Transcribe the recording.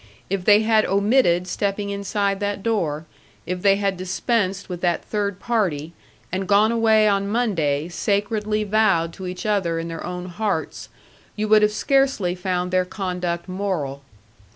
If they had omitted stepping inside that door, if they had dispensed with that third party, and gone away on Monday sacredly vowed to each other in their own hearts, you would have scarcely found their conduct moral.